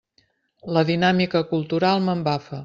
La dinàmica cultural m'embafa.